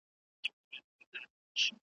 ارغنداو ته شالماره چي رانه سې .